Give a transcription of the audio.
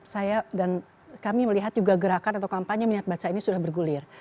saya dan kami melihat juga gerakan atau kampanye minat baca ini sudah bergulir